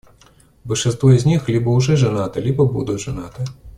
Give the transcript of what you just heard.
Большинство из них либо уже женаты, либо будут женаты.